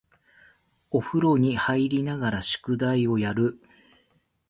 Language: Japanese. お風呂に入りながら宿題をやる